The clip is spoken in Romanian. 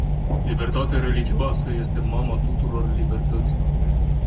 Libertatea religioasă este mama tuturor libertăților.